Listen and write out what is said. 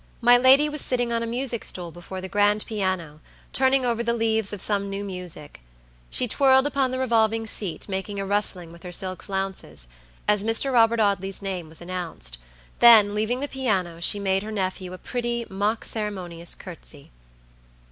My lady was sitting on a music stool before the grand piano, turning over the leaves of some new music. She twirled upon the revolving seat, making a rustling with her silk flounces, as Mr. Robert Audley's name was announced; then, leaving the piano, she made her nephew a pretty, mock ceremonious courtesy.